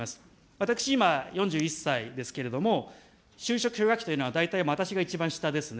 私今、４１歳ですけれども、就職氷河期というのは、大体私が一番下ですね。